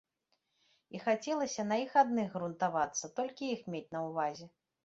І хацелася на іх адных грунтавацца, толькі іх мець на ўвазе.